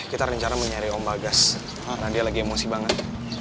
kita rencana mencari ombagas karena dia lagi emosi banget